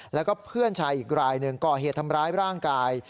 แล้วก็เพื่อนชายอีกรายหนึ่งก่อเหตุทำร้ายร่างกาย